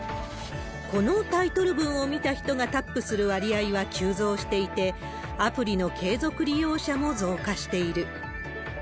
このタイトル文を見た人がタップする割合は急増していて、アプリの継続利用者も増加している。